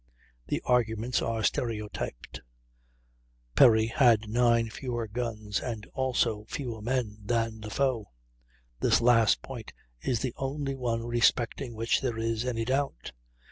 The arguments are stereotyped: Perry had 9 fewer guns, and also fewer men than the foe. This last point is the only one respecting which there is any doubt.